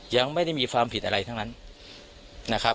ยังไม่ได้มีความผิดอะไรทั้งนั้นนะครับ